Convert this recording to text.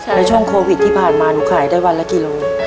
แล้วช่วงโควิดที่ผ่านมาหนูขายได้วันละกี่โล